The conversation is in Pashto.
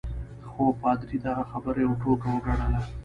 خو پادري دغه خبره یوه ټوکه وګڼل.